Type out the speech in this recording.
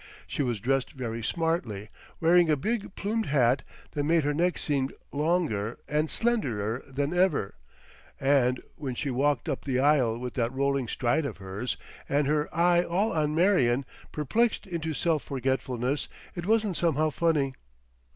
She was dressed very smartly, wearing a big plumed hat that made her neck seem longer and slenderer than ever, and when she walked up the aisle with that rolling stride of hers and her eye all on Marion, perplexed into self forgetfulness, it wasn't somehow funny.